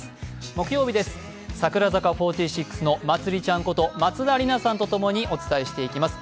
木曜日です、櫻坂４６のまつりちゃんこと松田里奈さんとともにお伝えしていきます。